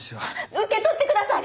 受け取ってください！